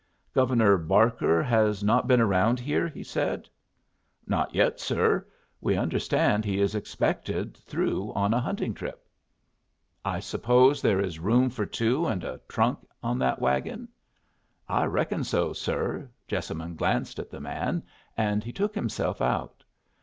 "Governor Barker has not been around here?" he said. "Not yet, sir. We understand he is expected through on a hunting trip." "I suppose there is room for two and a trunk on that wagon?" "I reckon so, sir." Jessamine glanced at the man, and he took himself out.